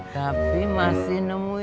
tapi masih gak godain yuyun lagi